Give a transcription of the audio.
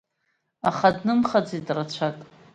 Аха днымхаӡеит рацәак.